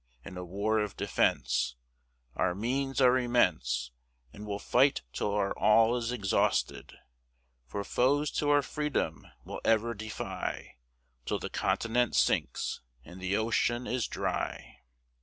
In a war of defence Our means are immense, And we'll fight till our all is exhausted: For foes to our freedom we'll ever defy, Till the continent sinks, and the ocean is dry!